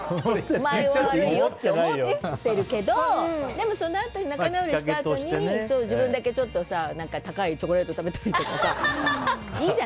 お前が悪いよって思ってるけどでも、そのあとに仲直りするって時に自分だけ高いチョコレート食べたりとかさ。